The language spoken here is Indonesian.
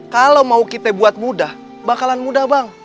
kalau mau kita buat mudah bakalan mudah bang